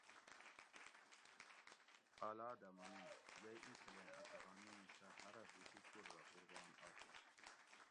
اۤلادہ منو: یئ ایں چھلیں اۤ کہانی اُوں سہ ہرہ حِکوکور رہ قُربان آشیں